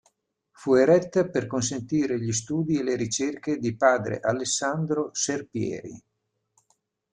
Fu eretta per consentire gli studi e le ricerche di padre Alessandro Serpieri.